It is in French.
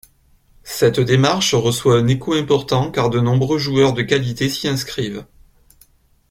Cette démarche reçoit un écho important car de nombreux joueurs de qualité s'y inscrivent.